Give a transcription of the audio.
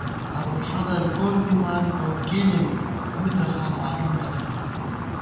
ابُوالفضل کول مِمان اؤ کېنےمِبہ ووئی تساں مالُوم نہ تھنہ